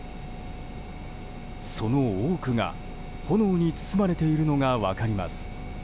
その多くが、炎に包まれているのが分かります。